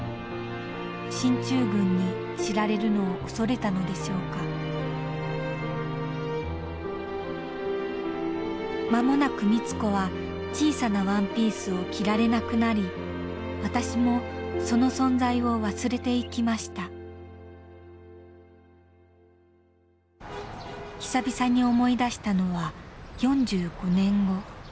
進駐軍に知られるのを恐れたのでしょうか間もなく光子は小さなワンピースを着られなくなり私もその存在を忘れていきました久々に思い出したのは４５年後。